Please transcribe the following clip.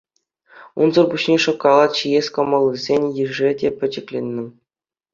Унсӑр пуҫне шӑккӑлат ҫиес кӑмӑллисен йышӗ те пӗчӗкленнӗ.